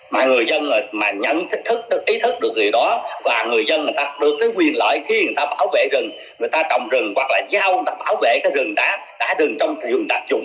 mà người dân mà nhận thức thức ý thức được gì đó và người dân người ta được cái quyền lợi khi người ta bảo vệ rừng người ta trồng rừng hoặc là giao người ta bảo vệ cái rừng đá đá rừng trong rừng đặc dụng